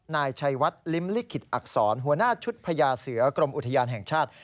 นายชัยวัดลิ้มลิขิตอักษรหัวหน้าชุดพญาเสือกรมอุทยานแห่งชาติ